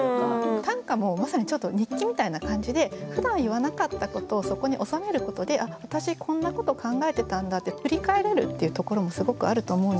短歌もまさにちょっと日記みたいな感じでふだん言わなかったことをそこに収めることで「あっ私こんなこと考えてたんだ」って振り返れるっていうところもすごくあると思うんですよ。